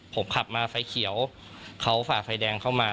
ผมขับมาไฟเขียวเขาฝ่าไฟแดงเข้ามา